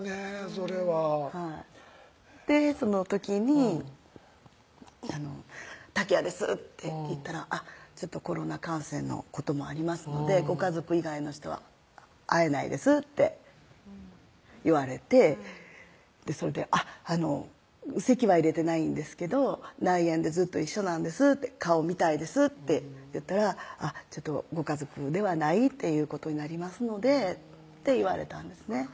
それははいその時に「竹谷です」って言ったら「コロナ感染のこともありますのでご家族以外の人は会えないです」って言われてそれで「籍は入れてないんですけど内縁でずっと一緒なんです顔見たいです」って言ったら「ご家族ではないっていうことになりますので」って言われたんです